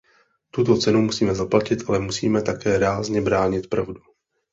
Tuto cenu musíme zaplatit, ale musíme také rázně bránit pravdu.